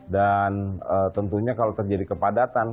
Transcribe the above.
dan tentunya kalau terjadi kepadatan